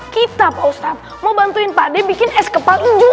kita pak ustadz mau bantuin pak d bikin es kepal ini